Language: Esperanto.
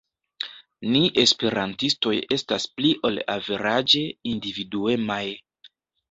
Ni esperantistoj estas pli ol averaĝe individuemaj.